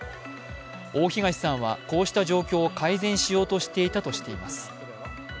大東さんはこうした状況を改善しようとしていたとしています。